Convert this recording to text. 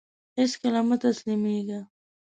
هيڅکله مه تسلميږه !